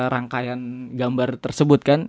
rangkaian gambar tersebut kan